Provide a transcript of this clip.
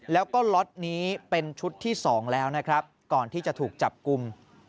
แล้วก็ล็อตนี้เป็นชุดที่๒แล้วนะครับก่อนที่จะถูกจับกลุ่ม